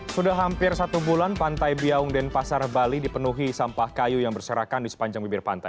sudah hampir satu bulan pantai biaung denpasar bali dipenuhi sampah kayu yang berserakan di sepanjang bibir pantai